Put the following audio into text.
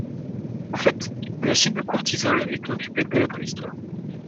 En fait, le site de Courtisols était occupé dès la préhistoire.